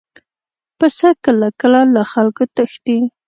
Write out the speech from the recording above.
پسه کله کله له خلکو تښتي.